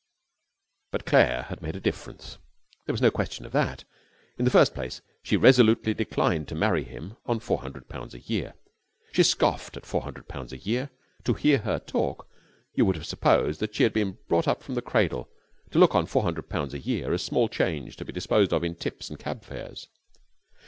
But Claire had made a difference. There was no question of that. In the first place, she resolutely declined to marry him on four hundred pounds a year. She scoffed at four hundred pounds a year. To hear her talk, you would have supposed that she had been brought up from the cradle to look on four hundred pounds a year as small change to be disposed of in tips and cab fares.